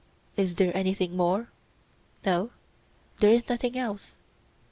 Is there anything more? No, there is nothing else.